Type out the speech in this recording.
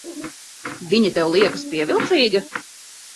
Viņa tev liekas pievilcīga?